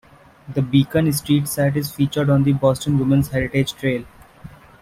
The Beacon Street site is featured on the Boston Women's Heritage Trail.